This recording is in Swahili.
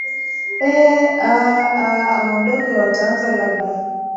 ee aa aa aondoke wataanza labda